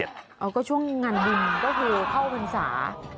วันก็ช่วงงานบุญก็คือข้าวพรรา